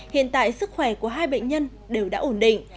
hiện tại sức khỏe của hai bệnh nhân đều đã ổn định